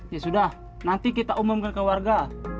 ya sudah nanti kita umumkan ke warga